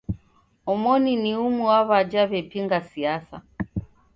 Omoni ni umu wa w'aja w'epinga siasa.